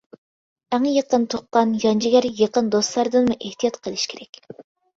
ئەڭ يېقىن تۇغقان، جانجىگەر يېقىن دوستلاردىنمۇ ئېھتىيات قىلىش كېرەك.